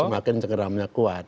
semakin cengkeramnya kuat